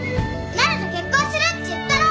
なると結婚するっち言ったろ！？